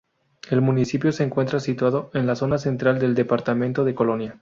El municipio se encuentra situado en la zona central del departamento de Colonia.